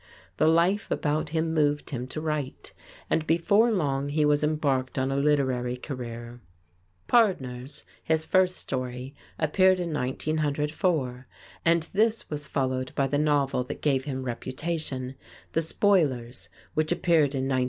The life about him moved him to write, and before long he was embarked on a literary career. "Pardners," his first story, appeared in 1904, and this was followed by the novel that gave him reputation "The Spoilers," which appeared in 1906.